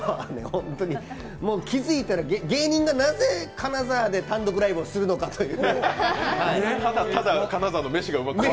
気付いたら芸人がなぜ金沢で単独ライブをするのかという。